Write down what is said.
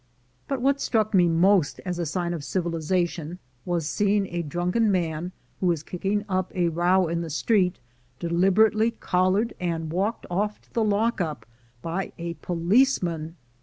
But what struck me most as a sign of civilization, was seeing a drunken man, who was kicking up a row in the street, deliber ately collared and walked off to the lock up by a policeman.